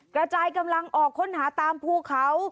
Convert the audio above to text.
กระจายกำลังออกค้นหาตามภูเขา